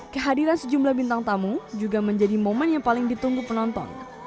kehadiran sejumlah bintang tamu juga menjadi momen yang paling ditunggu penonton